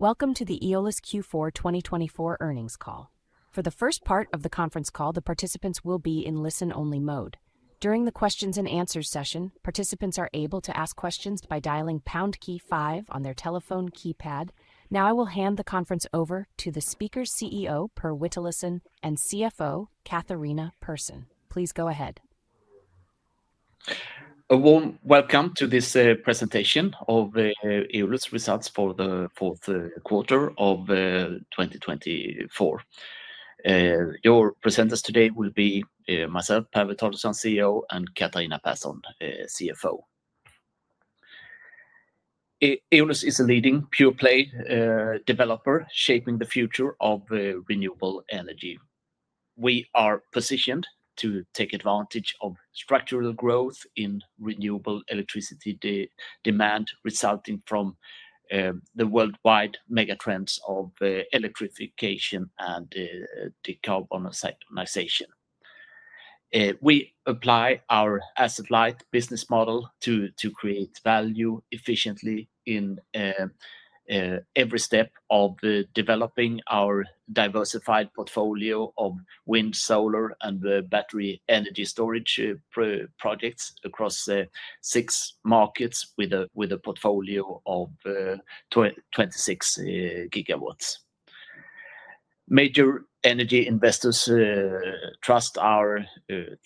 Welcome to the Eolus Q4 2024 earnings call. For the first part of the conference call, the participants will be in listen-only mode. During the Q&A session, participants are able to ask questions by dialing #5 on their telephone keypad. Now I will hand the conference over to the Speaker CEO, Per Witalisson, and CFO, Catharina Persson. Please go ahead. A warm welcome to this presentation of Eolus' results for the fourth quarter of 2024. Your presenters today will be myself, Per Witalisson, CEO, and Catharina Persson, CFO. Eolus is a leading pure-play developer shaping the future of renewable energy. We are positioned to take advantage of structural growth in renewable electricity demand resulting from the worldwide megatrends of electrification and decarbonization. We apply our asset-light business model to create value efficiently in every step of developing our diversified portfolio of wind, solar, and battery energy storage projects across six markets with a portfolio of 26 GW. Major energy investors trust our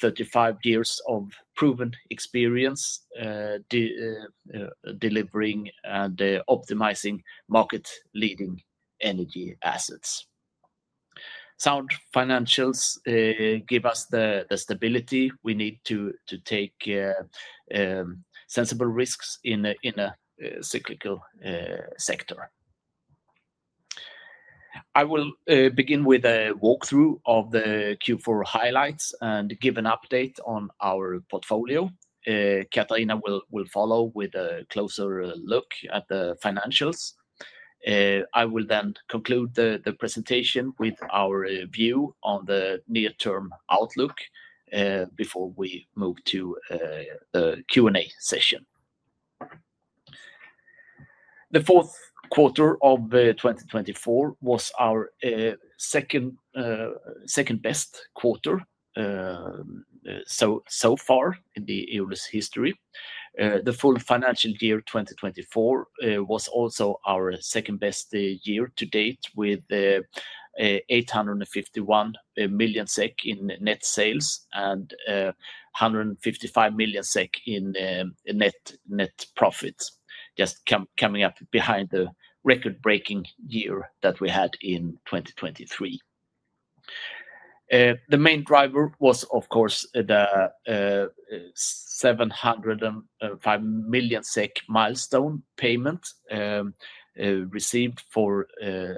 35 years of proven experience delivering and optimizing market-leading energy assets. Sound financials give us the stability we need to take sensible risks in a cyclical sector. I will begin with a walkthrough of the Q4 highlights and give an update on our portfolio. Catharina will follow with a closer look at the financials. I will then conclude the presentation with our view on the near-term outlook before we move to the Q&A session. The fourth quarter of 2024 was our second-best quarter so far in Eolus' history. The full financial year 2024 was also our second-best year to date, with 851 million SEK in net sales and 155 million SEK in net profits, just coming up behind the record-breaking year that we had in 2023. The main driver was, of course, the 705 million SEK milestone payment received for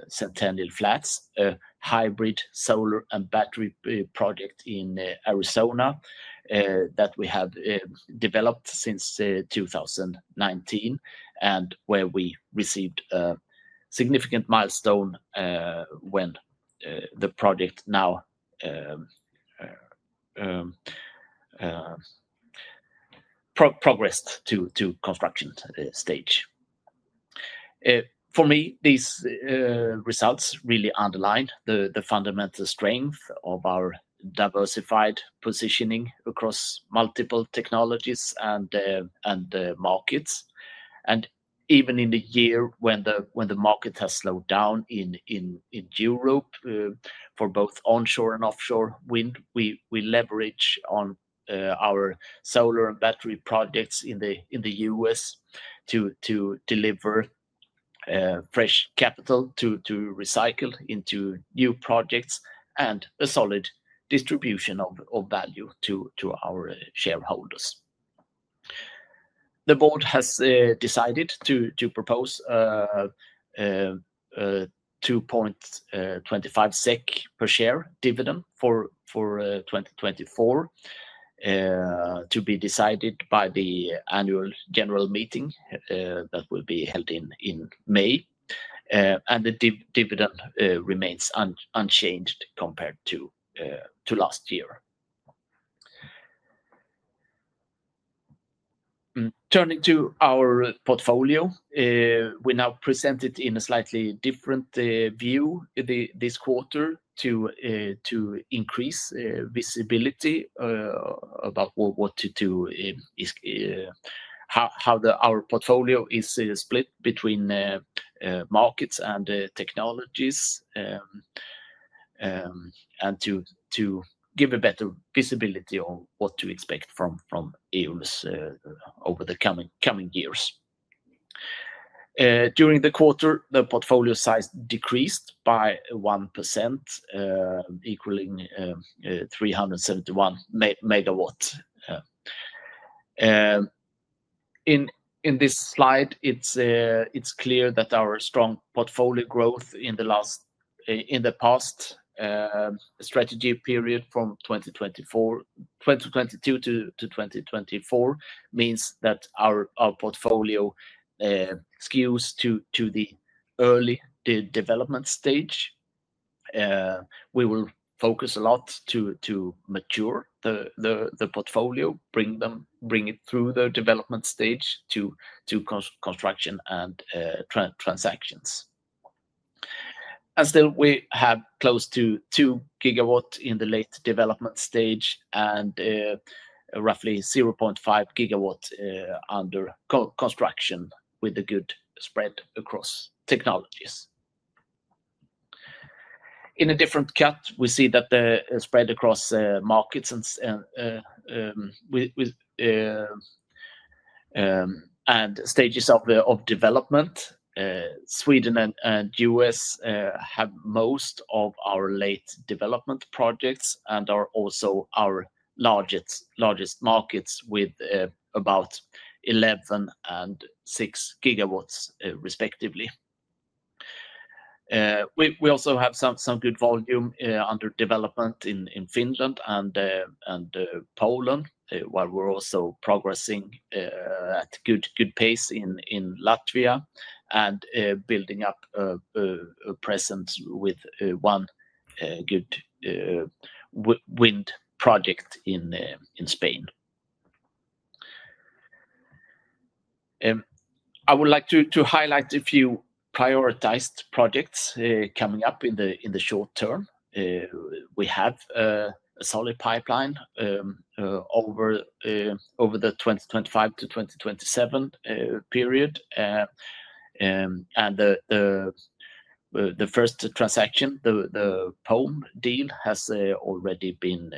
Centennial Flats, a hybrid solar and battery project in Arizona that we have developed since 2019, and where we received a significant milestone when the project now progressed to the construction stage. For me, these results really underline the fundamental strength of our diversified positioning across multiple technologies and markets. Even in the year when the market has slowed down in Europe for both onshore and offshore wind, we leverage our solar and battery projects in the U.S. to deliver fresh capital to recycle into new projects and a solid distribution of value to our shareholders. The board has decided to propose a 2.25 SEK per share dividend for 2024 to be decided by the annual general meeting that will be held in May, and the dividend remains unchanged compared to last year. Turning to our portfolio, we now present it in a slightly different view this quarter to increase visibility about how our portfolio is split between markets and technologies and to give a better visibility on what to expect from Eolus over the coming years. During the quarter, the portfolio size decreased by 1%, equaling 371 MW. In this slide, it's clear that our strong portfolio growth in the past strategy period from 2022 to 2024 means that our portfolio skews to the early development stage. We will focus a lot to mature the portfolio, bring it through the development stage to construction and transactions. Still, we have close to 2 GW in the late development stage and roughly 0.5 GW under construction with a good spread across technologies. In a different cut, we see that the spread across markets and stages of development. Sweden and the U.S. have most of our late development projects and are also our largest markets with about 11 GW and 6 GW, respectively. We also have some good volume under development in Finland and Poland, while we're also progressing at a good pace in Latvia and building up a presence with one good wind project in Spain. I would like to highlight a few prioritized projects coming up in the short term. We have a solid pipeline over the 2025 to 2027 period, and the first transaction, the Pome deal, has already been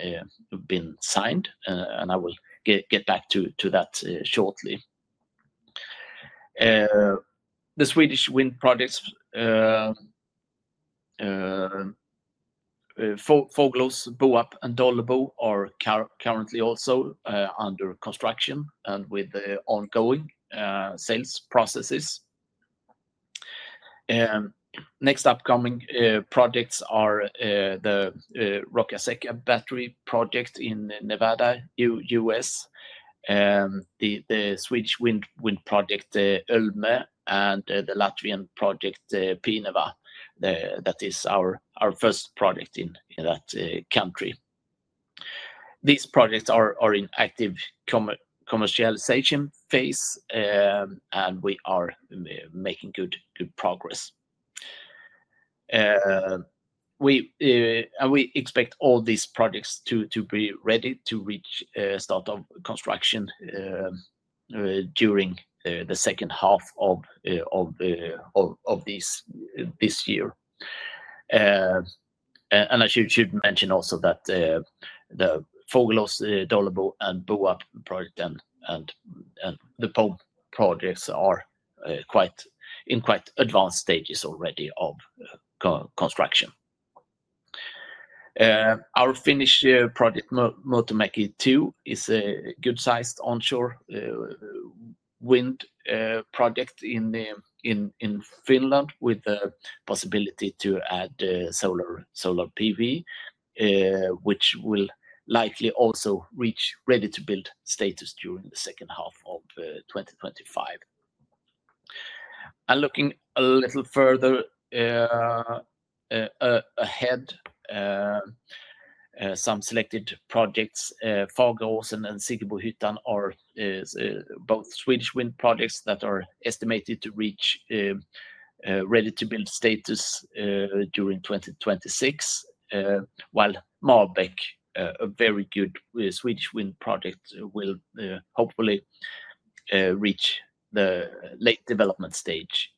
signed, and I will get back to that shortly. The Swedish wind projects, Fågelås, Boarp, and Dållebo, are currently also under construction and with ongoing sales processes. Next upcoming projects are the Roccasecca battery project in Nevada, U.S., the Swedish wind project Ölme, and the Latvian project Pienava. That is our first project in that country. These projects are in active commercialization phase, and we are making good progress. We expect all these projects to be ready to reach start of construction during the second half of this year. I should mention also that the Fågelås, Dållebo, and Boarp project and the Pome projects are in quite advanced stages already of construction. Our Finnish project, Murtomäki 2, is a good-sized onshore wind project in Finland with the possibility to add solar PV, which will likely also reach ready-to-build status during the second half of 2025. Looking a little further ahead, some selected projects, Fageråsen and Siggebohyttan, are both Swedish wind projects that are estimated to reach ready-to-build status during 2026, while Marbäck, a very good Swedish wind project, will hopefully reach the late development stage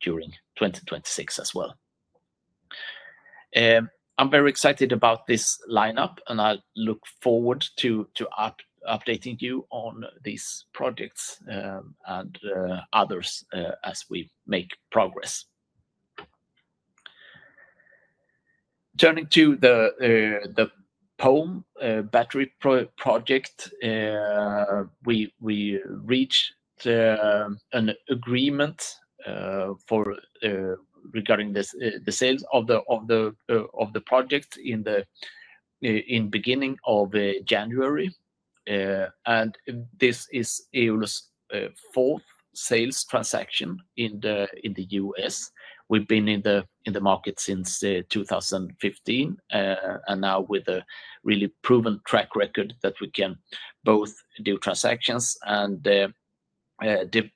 during 2026 as well. I'm very excited about this lineup, and I look forward to updating you on these projects and others as we make progress. Turning to the Pome battery project, we reached an agreement regarding the sales of the project in the beginning of January. This is Eolus' fourth sales transaction in the U.S. We've been in the market since 2015, and now with a really proven track record that we can both do transactions and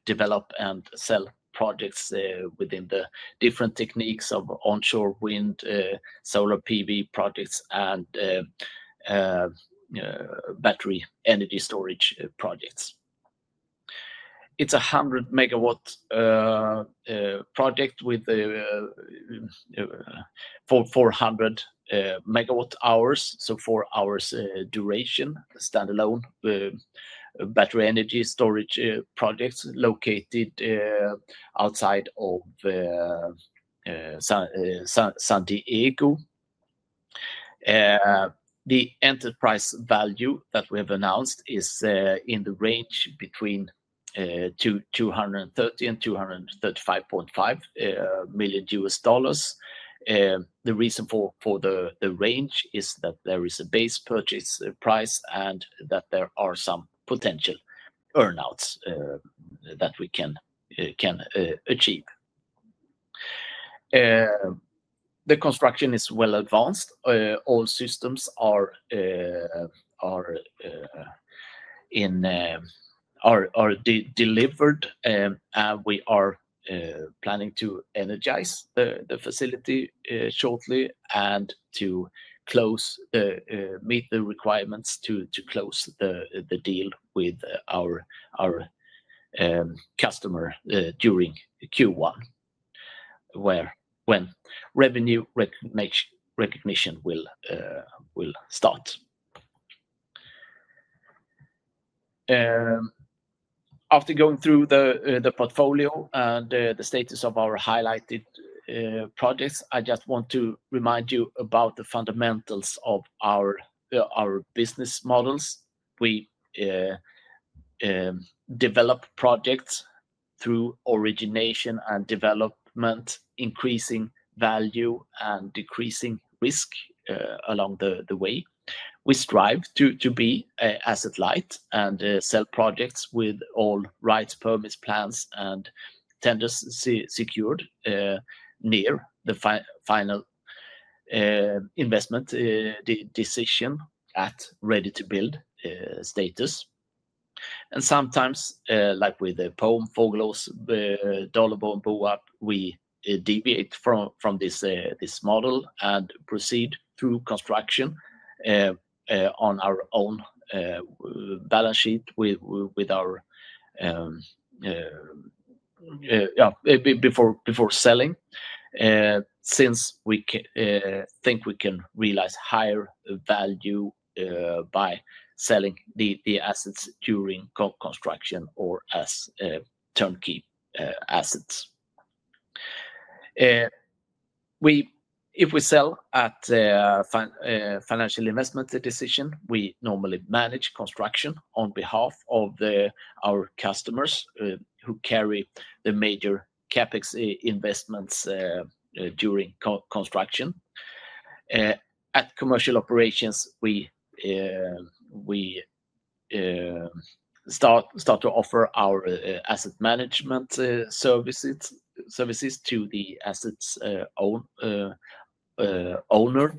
develop and sell projects within the different techniques of onshore wind, solar PV projects, and battery energy storage projects. It's a 100 MW project with 400 MWh, so four hours' duration, standalone battery energy storage projects located outside of San Diego. The enterprise value that we have announced is in the range between $230 million and $235.5 million. The reason for the range is that there is a base purchase price and that there are some potential earnouts that we can achieve. The construction is well advanced. All systems are delivered, and we are planning to energize the facility shortly and to meet the requirements to close the deal with our customer during Q1, when revenue recognition will start. After going through the portfolio and the status of our highlighted projects, I just want to remind you about the fundamentals of our business models. We develop projects through origination and development, increasing value and decreasing risk along the way. We strive to be asset-light and sell projects with all rights, permits, plans, and tenders secured near the final investment decision at ready-to-build status. Sometimes, like with the Pome, Fågelås, Dållebo, and Boarp, we deviate from this model and proceed through construction on our own balance sheet before selling, since we think we can realize higher value by selling the assets during construction or as turnkey assets. If we sell at financial investment decision, we normally manage construction on behalf of our customers who carry the major CapEx investments during construction. At commercial operations, we start to offer our asset management services to the assets' owner.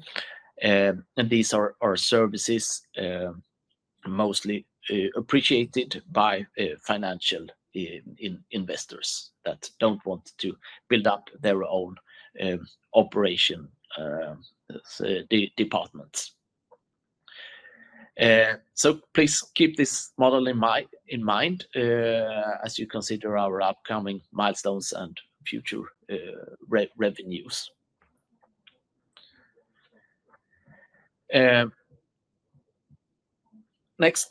These are services mostly appreciated by financial investors that do not want to build up their own operation departments. Please keep this model in mind as you consider our upcoming milestones and future revenues. Next,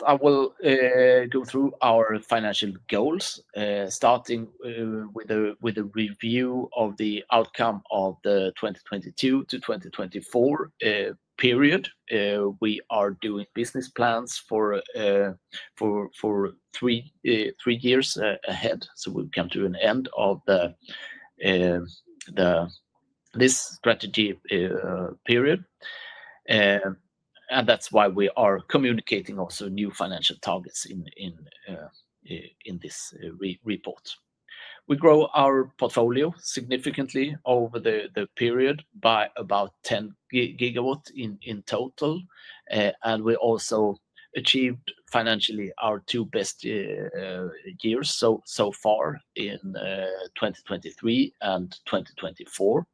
I will go through our financial goals, starting with a review of the outcome of the 2022 to 2024 period. We are doing business plans for three years ahead, so we have come to an end of this strategy period. That is why we are communicating also new financial targets in this report. We grow our portfolio significantly over the period by about 10 GW in total. We also achieved financially our two best years so far in 2023 and 2024.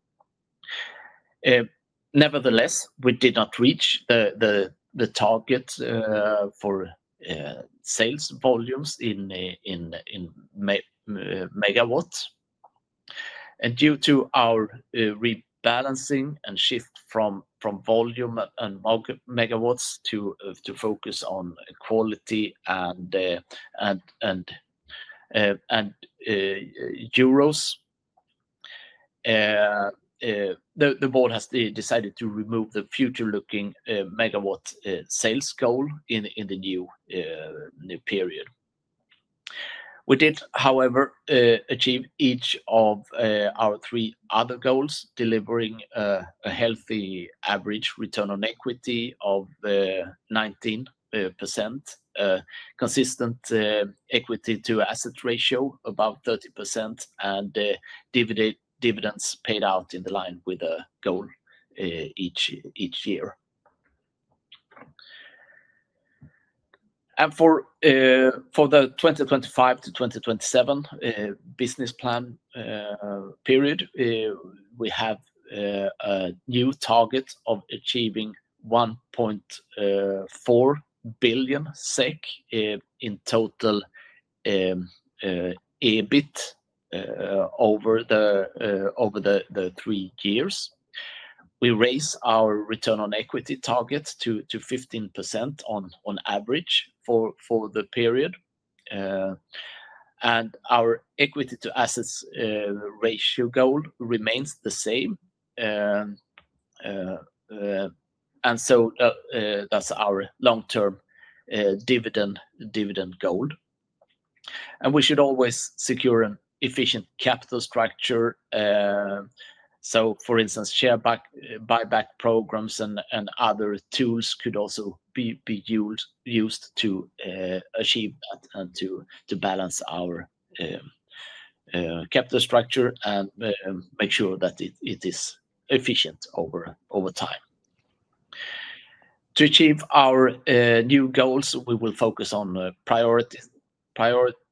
Nevertheless, we did not reach the target for sales volumes in megawatts. Due to our rebalancing and shift from volume and megawatts to focus on quality and euros, the board has decided to remove the future-looking megawatt sales goal in the new period. We did, however, achieve each of our three other goals, delivering a healthy average return on equity of 19%, consistent equity-to-asset ratio of about 30%, and dividends paid out in line with the goal each year. For the 2025 to 2027 business plan period, we have a new target of achieving 1.4 billion SEK in total EBIT over the three years. We raised our return on equity target to 15% on average for the period. Our equity-to-asset ratio goal remains the same. That is our long-term dividend goal. We should always secure an efficient capital structure. For instance, share buyback programs and other tools could also be used to achieve that and to balance our capital structure and make sure that it is efficient over time. To achieve our new goals, we will focus on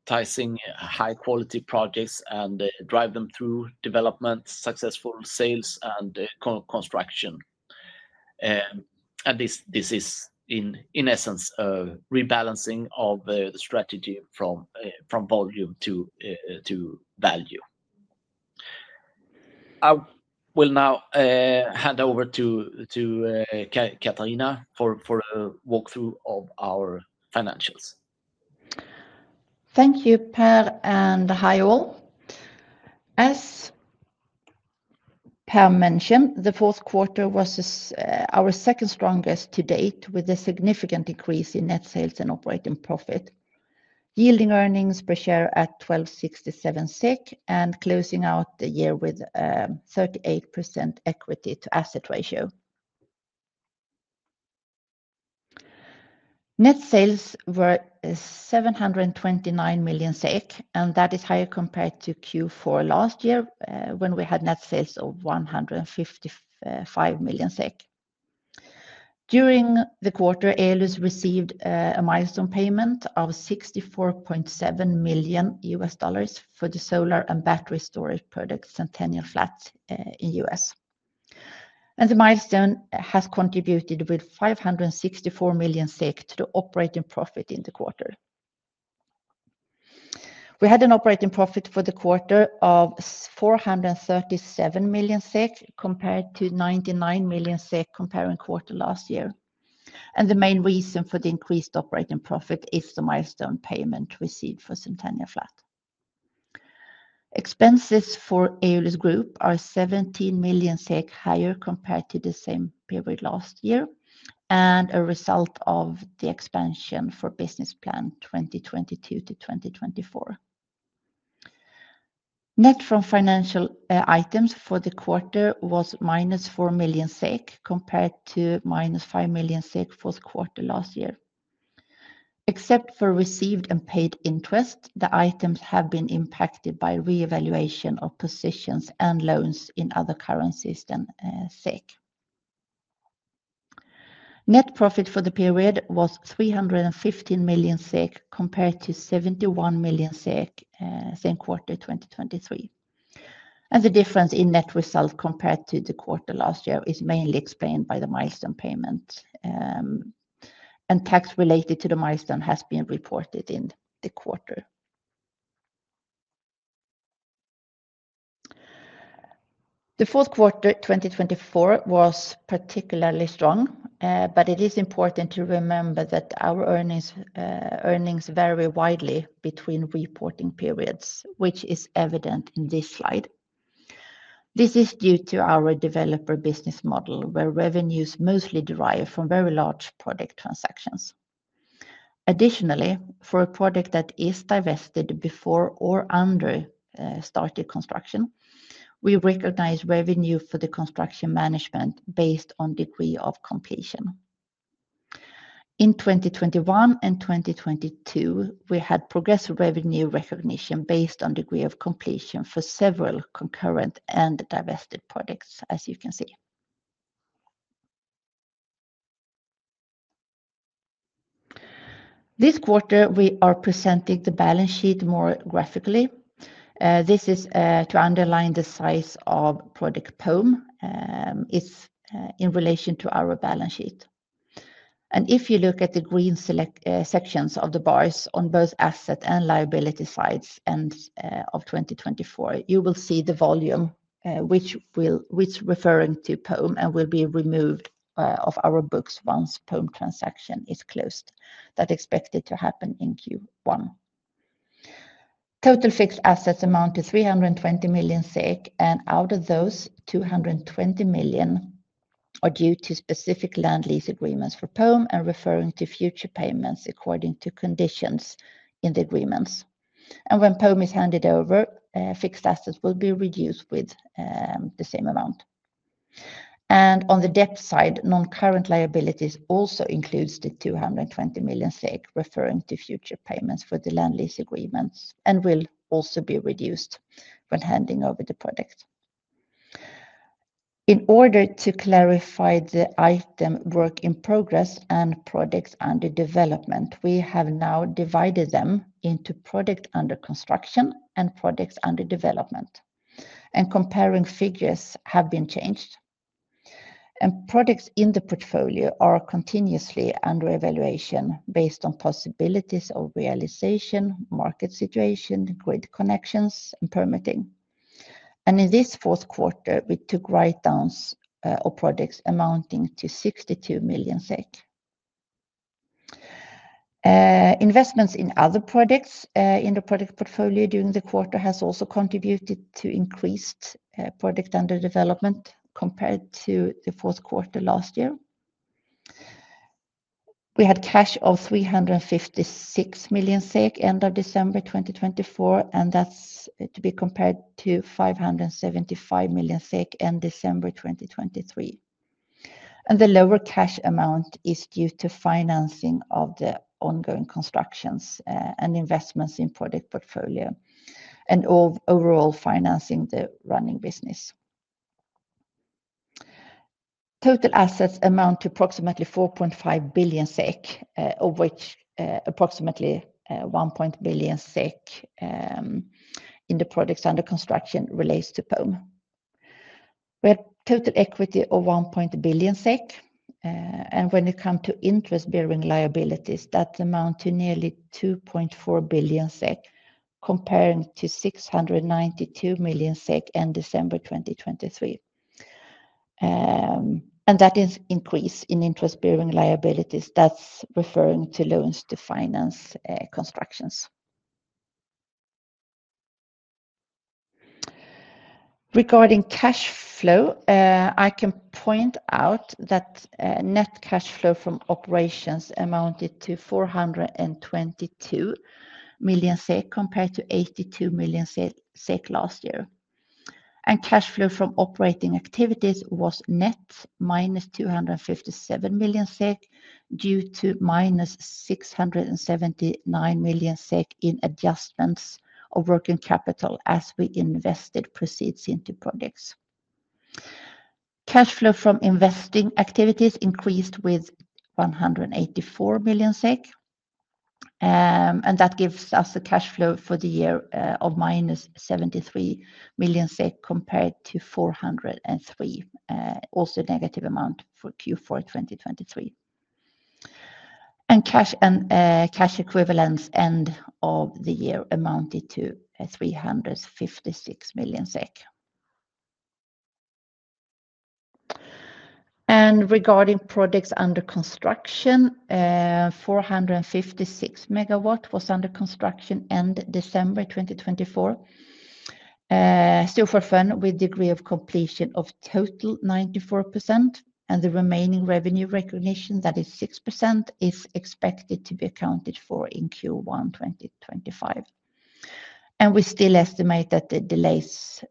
prioritizing high-quality projects and drive them through development, successful sales, and construction. This is, in essence, a rebalancing of the strategy from volume to value. I will now hand over to Catharina for a walkthrough of our financials. Thank you, Per and hi all. As Per mentioned, the fourth quarter was our second strongest to date, with a significant increase in net sales and operating profit, yielding earnings per share at 1,267 SEK and closing out the year with a 38% equity-to-asset ratio. Net sales were 729 million SEK, and that is higher compared to Q4 last year when we had net sales of 155 million SEK. During the quarter, Eolus received a milestone payment of $64.7 million for the solar and battery storage project Centennial Flats in the U.S. The milestone has contributed with 564 million SEK to the operating profit in the quarter. We had an operating profit for the quarter of 437 million SEK compared to 99 million SEK in the same quarter last year. The main reason for the increased operating profit is the milestone payment received for Centennial Flats. Expenses for Eolus Group are 17 million SEK higher compared to the same period last year and a result of the expansion for business plan 2022 to 2024. Net from financial items for the quarter was minus 4 million SEK compared to minus 5 million SEK for the quarter last year. Except for received and paid interest, the items have been impacted by reevaluation of positions and loans in other currencies than SEK. Net profit for the period was 315 million SEK compared to 71 million SEK same quarter 2023. The difference in net result compared to the quarter last year is mainly explained by the milestone payment. Tax related to the milestone has been reported in the quarter. The fourth quarter 2024 was particularly strong, but it is important to remember that our earnings vary widely between reporting periods, which is evident in this slide. This is due to our developer business model, where revenues mostly derive from very large project transactions. Additionally, for a project that is divested before or under started construction, we recognize revenue for the construction management based on degree of completion. In 2021 and 2022, we had progressive revenue recognition based on degree of completion for several concurrent and divested projects, as you can see. This quarter, we are presenting the balance sheet more graphically. This is to underline the size of Project Pome in relation to our balance sheet. If you look at the green sections of the bars on both asset and liability sides of 2024, you will see the volume, which is referring to Pome and will be removed off our books once the Pome transaction is closed. That is expected to happen in Q1. Total fixed assets amount to 320 million SEK, and out of those, 220 million are due to specific land lease agreements for Pome and referring to future payments according to conditions in the agreements. When Pome is handed over, fixed assets will be reduced with the same amount. On the debt side, non-current liabilities also include 220 million referring to future payments for the land lease agreements and will also be reduced when handing over the project. In order to clarify the item work in progress and projects under development, we have now divided them into projects under construction and projects under development. Comparing figures have been changed. Projects in the portfolio are continuously under evaluation based on possibilities of realization, market situation, grid connections, and permitting. In this fourth quarter, we took write-downs of projects amounting to SEK 62 million. Investments in other projects in the project portfolio during the quarter have also contributed to increased project under development compared to the fourth quarter last year. We had cash of 356 million SEK end of December 2024, and that is to be compared to 575 million SEK end December 2023. The lower cash amount is due to financing of the ongoing constructions and investments in project portfolio and overall financing the running business. Total assets amount to approximately 4.5 billion SEK, of which approximately 1.1 billion SEK in the projects under construction relates to Pome. We had total equity of 1.1 billion SEK. When it comes to interest-bearing liabilities, that amounts to nearly 2.4 billion SEK comparing to 692 million SEK end December 2023. That increase in interest-bearing liabilities is referring to loans to finance constructions. Regarding cash flow, I can point out that net cash flow from operations amounted to 422 million SEK compared to 82 million SEK last year. Cash flow from operating activities was net minus 257 million SEK due to minus 679 million SEK in adjustments of working capital as we invested proceeds into projects. Cash flow from investing activities increased with 184 million SEK. That gives us a cash flow for the year of minus 73 million SEK compared to 403 million, also a negative amount for Q4 2023. Cash equivalents end of the year amounted to 356 million SEK. Regarding projects under construction, 456 MW was under construction end December 2024. So far for now, with degree of completion of total 94%, and the remaining revenue recognition that is 6% is expected to be accounted for in Q1 2025. We still estimate that the delays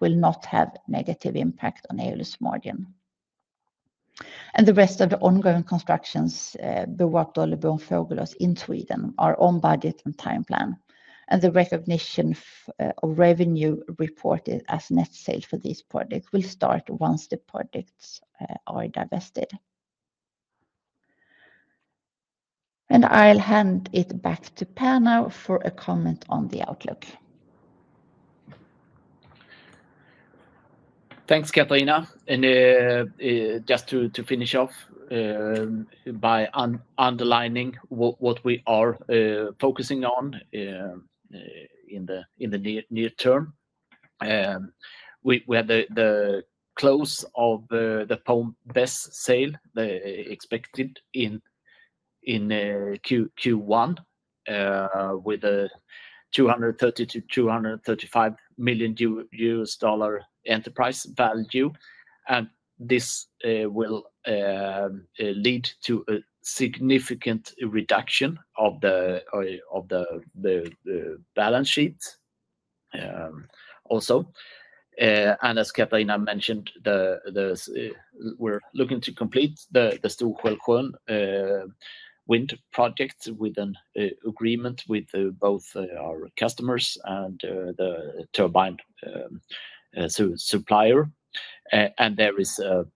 will not have a negative impact on Eolus' margin. The rest of the ongoing constructions, the Boarp, Dållebo, Fågelås in Sweden, are on budget and timeplan. The recognition of revenue reported as net sales for these projects will start once the projects are divested. I'll hand it back to Per now for a comment on the outlook. Thanks, Catharina. Just to finish off by underlining what we are focusing on in the near term, we had the close of the Pome battery energy storage sale expected in Q1 with a $230 million-$235 million enterprise value. This will lead to a significant reduction of the balance sheet also. As Catharina mentioned, we're looking to complete the Stor-Skälsjön wind project with an agreement with both our customers and the turbine supplier. There is a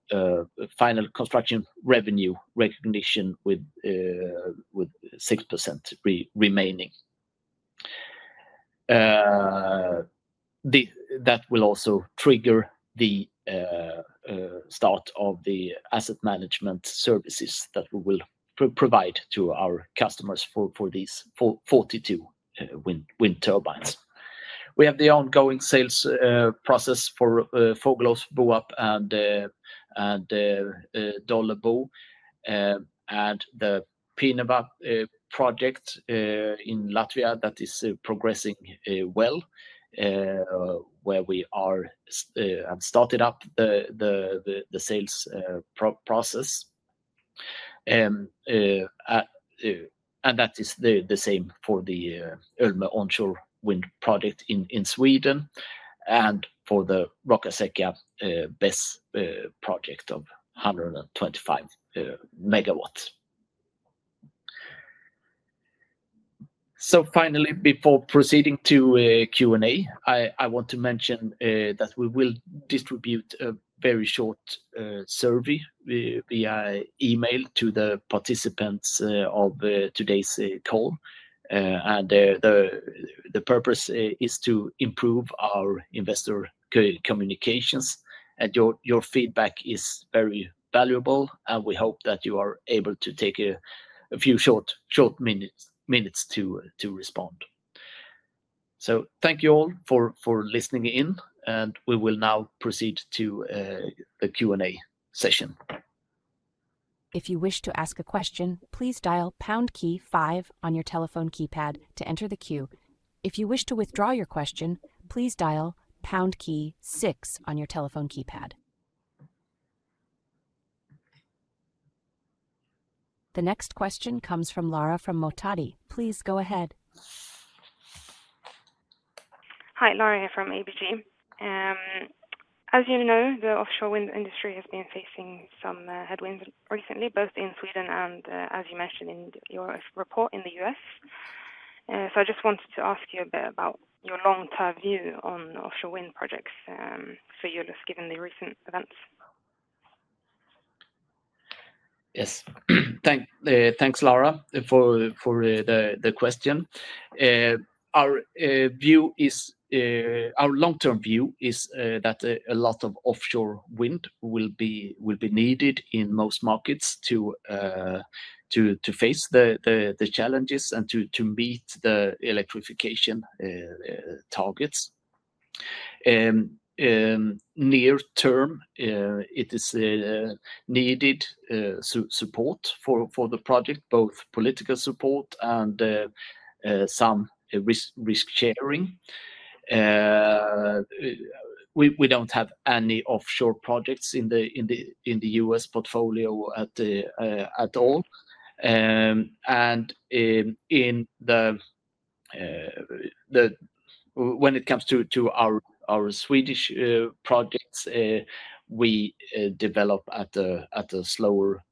final construction revenue recognition with 6% remaining. That will also trigger the start of the asset management services that we will provide to our customers for these 42 wind turbines. We have the ongoing sales process for Fågelås, Boarp and Dållebo. The Pienava project in Latvia is progressing well, where we have started up the sales process. That is the same for the Ölme onshore wind project in Sweden and for the Roccasecca battery energy BESS project of 125 MW. Finally, before proceeding to Q&A, I want to mention that we will distribute a very short survey via email to the participants of today's call. The purpose is to improve our investor communications. Your feedback is very valuable, and we hope that you are able to take a few short minutes to respond. Thank you all for listening in, and we will now proceed to the Q&A session. If you wish to ask a question, please dial pound key five on your telephone keypad to enter the queue. If you wish to withdraw your question, please dial pound key six on your telephone keypad. The next question comes from Lara Mohtadi. Please go ahead. Hi, Lara. I'm from ABG. As you know, the offshore wind industry has been facing some headwinds recently, both in Sweden and, as you mentioned in your report, in the U.S. I just wanted to ask you a bit about your long-term view on offshore wind projects for Eolus given the recent events. Yes. Thanks, Lara, for the question. Our long-term view is that a lot of offshore wind will be needed in most markets to face the challenges and to meet the electrification targets. In the near term, it is needed support for the project, both political support and some risk sharing. We do not have any offshore projects in the U.S. portfolio at all. When it comes to our Swedish projects, we develop at a slower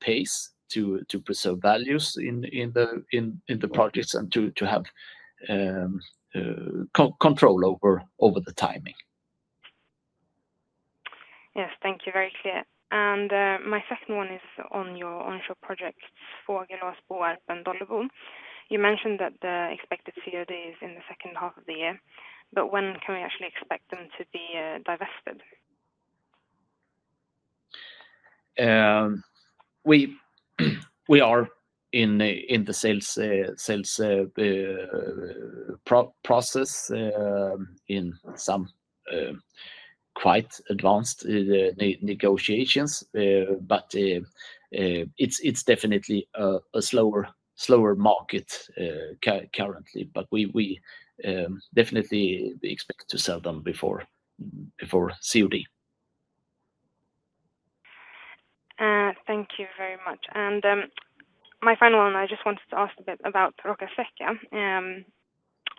pace to preserve values in the projects and to have control over the timing. Yes, thank you, very clear. My second one is on your onshore projects for Fågelås, Boarp and Dållebo. You mentioned that the expected COD is in the second half of the year, but when can we actually expect them to be divested? We are in the sales process in some quite advanced negotiations, it is definitely a slower market currently. We definitely expect to sell them before COD. Thank you very much. My final one, I just wanted to ask a Roccasecca.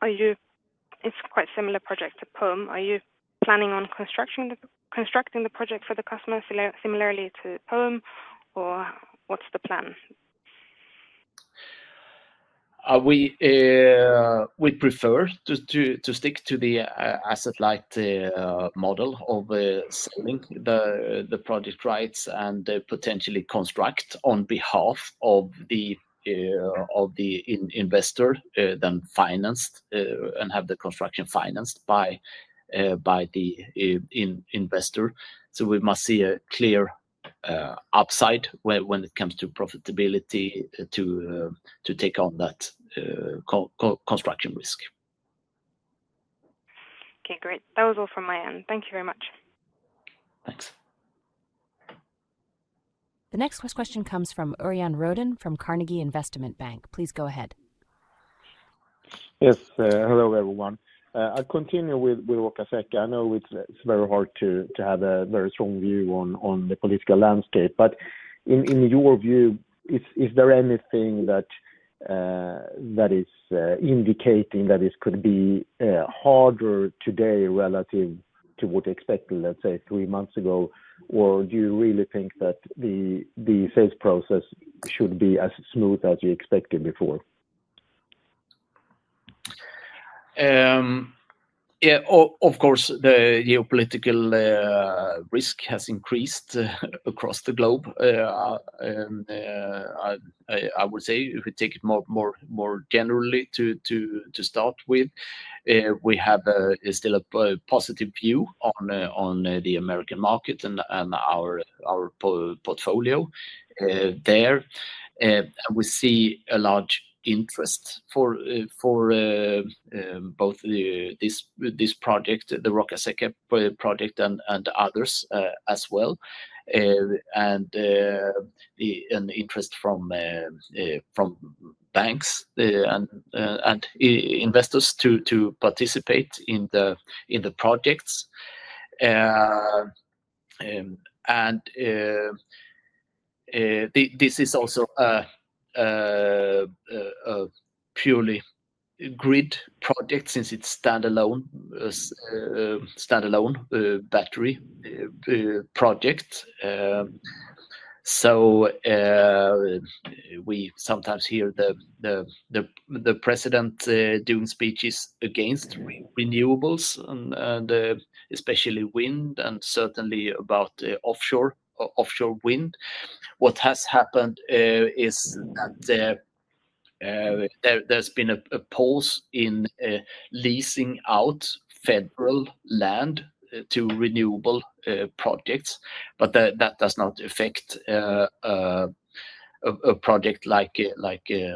It is quite a similar project to Pome. Are you planning on constructing the project for the customer similarly to Pome, or what is the plan? We prefer to stick to the asset-light model of selling the project rights and potentially construct on behalf of the investor, then financed and have the construction financed by the investor. We must see a clear upside when it comes to profitability to take on that construction risk. Okay, great. That was all from my end. Thank you very much. Thanks. The next question comes from Örjan Rödén from Carnegie Investment Bank. Please go ahead. Yes, hello everyone. I'll continue with Roccasecca. I know it's very hard to have a very strong view on the political landscape, but in your view, is there anything that is indicating that it could be harder today relative to what we expected, let's say, three months ago, or do you really think that the sales process should be as smooth as you expected before? Of course, the geopolitical risk has increased across the globe. I would say, if we take it more generally to start with, we have still a positive view on the American market and our portfolio there. We see a large interest for both this project, the Roccasecca project, and others as well, and an interest from banks and investors to participate in the projects. This is also a purely grid project since it is a standalone battery project. We sometimes hear the president doing speeches against renewables, especially wind, and certainly about offshore wind. What has happened is that there has been a pause in leasing out federal land to renewable projects, but that does not affect a project like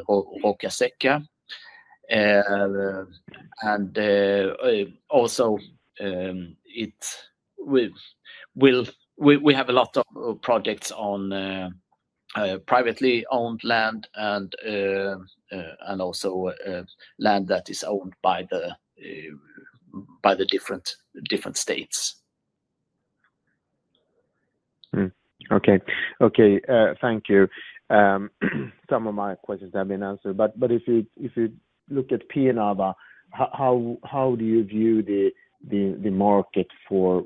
Roccasecca. We have a lot of projects on privately owned land and also land that is owned by the different states. Okay. Okay, thank you. Some of my questions have been answered. If you look at Pienava, how do you view the market for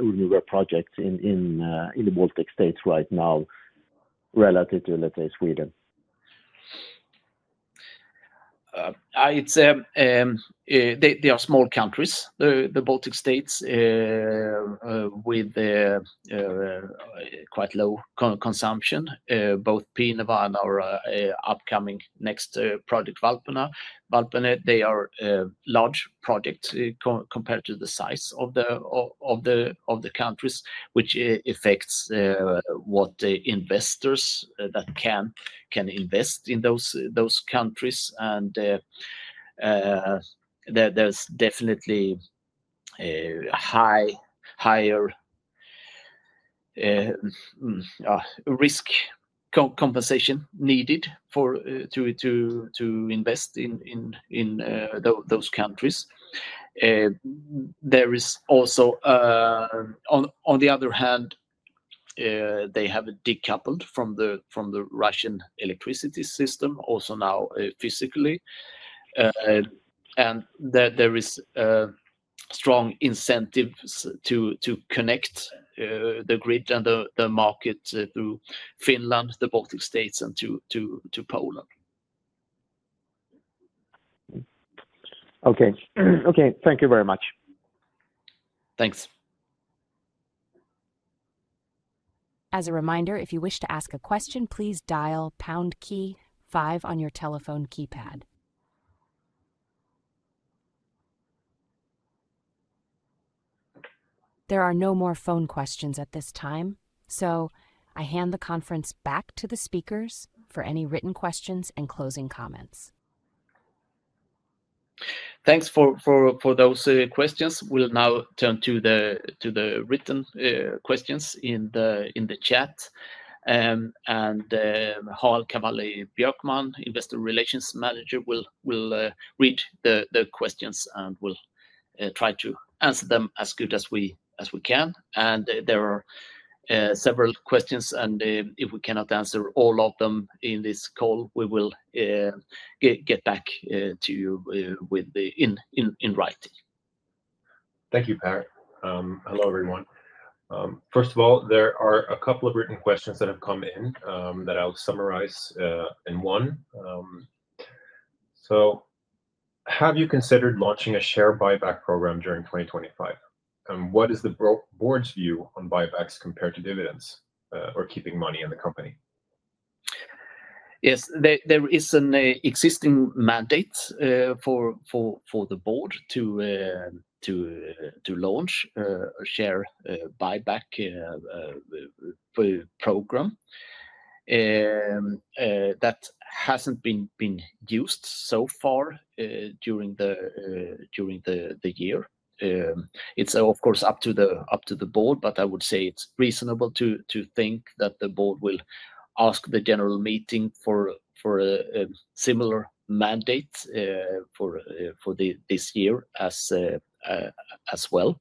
renewable projects in the Baltic states right now relative to, let's say, Sweden? They are small countries, the Baltic states, with quite low consumption. Both Pienava and our upcoming next project, Valpene, they are large projects compared to the size of the countries, which affects what investors can invest in those countries. There is definitely a higher risk compensation needed to invest in those countries. There is also, on the other hand, they have decoupled from the Russian electricity system, also now physically. There are strong incentives to connect the grid and the market through Finland, the Baltic states, and to Poland. Okay. Thank you very much. Thanks. As a reminder, if you wish to ask a question, please dial pound key five on your telephone keypad. There are no more phone questions at this time, so I hand the conference back to the speakers for any written questions and closing comments. Thanks for those questions. We will now turn to the written questions in the chat. Harald Cavalli-Björkman, Investor Relations Manager, will read the questions and will try to answer them as good as we can. There are several questions, and if we cannot answer all of them in this call, we will get back to you in writing. Thank you, Per. Hello, everyone. First of all, there are a couple of written questions that have come in that I'll summarize in one. Have you considered launching a share buyback program during 2025? What is the board's view on buybacks compared to dividends or keeping money in the company? Yes, there is an existing mandate for the board to launch a share buyback program. That hasn't been used so far during the year. It's, of course, up to the board, but I would say it's reasonable to think that the board will ask the general meeting for a similar mandate for this year as well.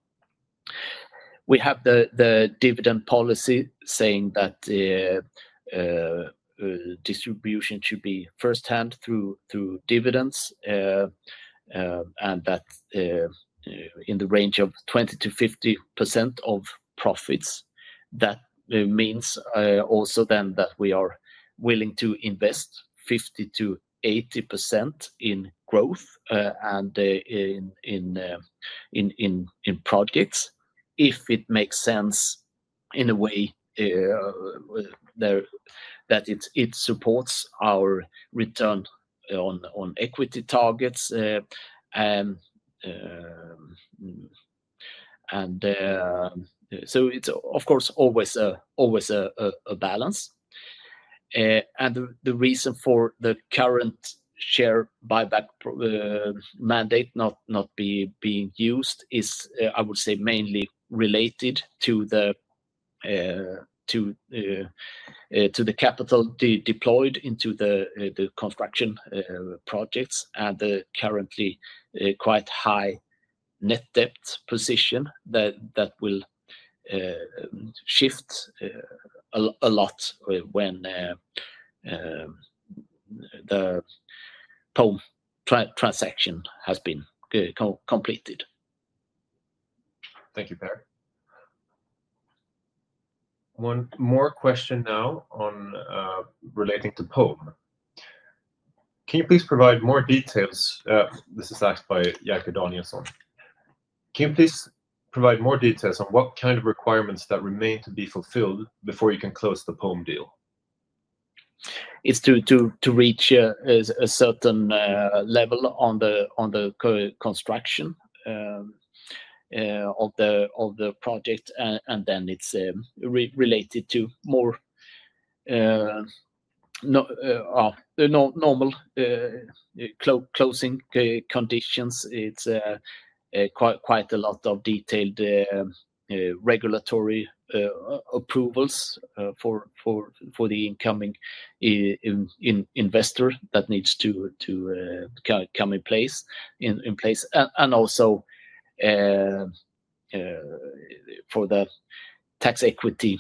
We have the dividend policy saying that distribution should be first-hand through dividends and that in the range of 20%-50% of profits. That means also then that we are willing to invest 50%-80% in growth and in projects if it makes sense in a way that it supports our return on equity targets. It's, of course, always a balance. The reason for the current share buyback mandate not being used is, I would say, mainly related to the capital deployed into the construction projects and the currently quite high net debt position that will shift a lot when the Pome transaction has been completed. Thank you, Per. One more question now relating to Pome. Can you please provide more details? This is asked by Jerker Danielsson. Can you please provide more details on what kind of requirements that remain to be fulfilled before you can close the Pome deal? It's to reach a certain level on the construction of the project, and then it's related to more normal closing conditions. It's quite a lot of detailed regulatory approvals for the incoming investor that needs to come in place. Also for the tax equity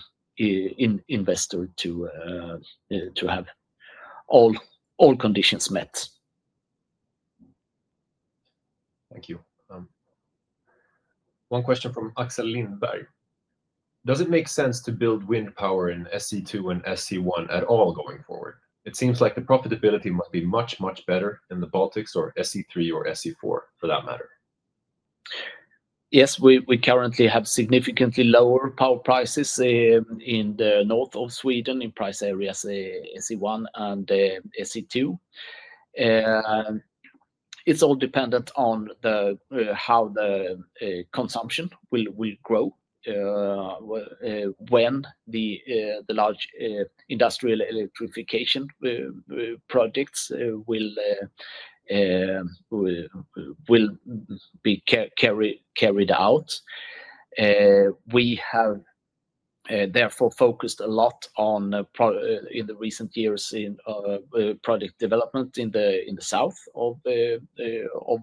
investor to have all conditions met. Thank you. One question from Axel Lindberg. Does it make sense to build wind power in SE2 and SE1 at all going forward? It seems like the profitability might be much, much better in the Baltics or SE3 or SE4 for that matter. Yes, we currently have significantly lower power prices in the north of Sweden in price areas SE1 and SE2. It's all dependent on how the consumption will grow when the large industrial electrification projects will be carried out. We have therefore focused a lot in the recent years in project development in the south of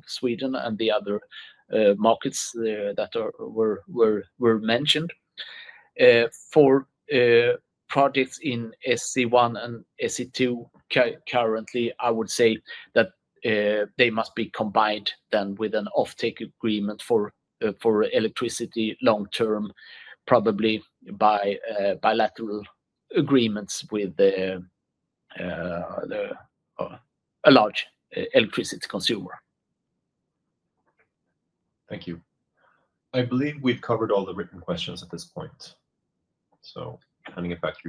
Sweden and the other markets that were mentioned. For projects in SE1 and SE2 currently, I would say that they must be combined then with an offtake agreement for electricity long-term, probably by bilateral agreements with a large electricity consumer. Thank you. I believe we've covered all the written questions at this point. Handing it back to you.